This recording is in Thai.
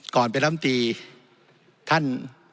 ก่อนเป็นนรัฐบินตรี